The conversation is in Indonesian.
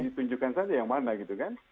ditunjukkan saja yang mana gitu kan